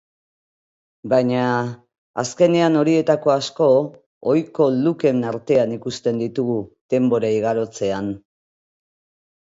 Baina, azkenean horietako asko ohiko looken artean ikusten ditugu denbora igarotzean.